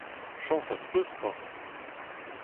Chañs az peus 'ta.